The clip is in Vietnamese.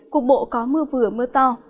cục bộ có mưa vừa mưa to